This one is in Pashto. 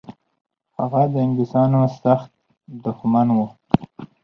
هغه د انګلیسانو سخت دښمن و.